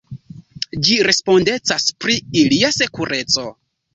Ĝi respondecas pri ilia sekureco.